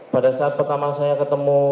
pada saat pertama saya ketemu